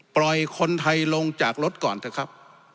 ปล่อยคนไทยลงจากรถก่อนเถอะครับ